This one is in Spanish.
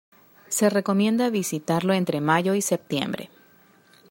Se recomienda visitarlo entre mayo y septiembre.